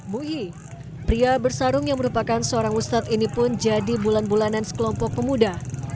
mui pria bersarung yang merupakan seorang ustadz ini pun jadi bulan bulanan sekelompok pemuda